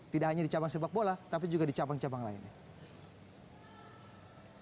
tidak hanya di cabang sepak bola tapi juga di cabang cabang lainnya